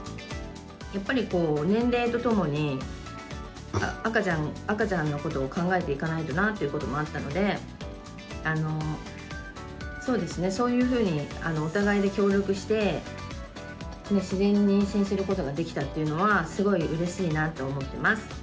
やっぱり年齢とともに、赤ちゃんのことを考えていかないとなっていうこともあったので、そうですね、そういうふうにお互いで協力して、自然に妊娠することができたっていうのは、すごいうれしいなと思っています。